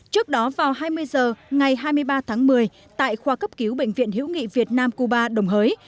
trước đó vào hai mươi h ngày hai mươi ba tháng một mươi tại khoa cấp cứu bệnh viện hữu nghị việt nam cuba đồng hới